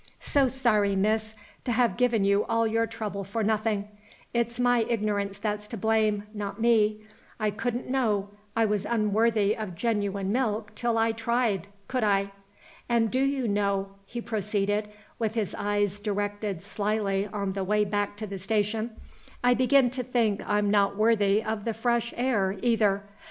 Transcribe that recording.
"So sorry, Miss, to have given you all your trouble for nothing; it's my ignorance that's to blame, not me. I couldn't know I was unworthy of genuine milk till I tried could I? And do you know," he proceeded, with his eyes directed slyly on the way back to the station, "I begin to think I'm not worthy of the fresh air, either.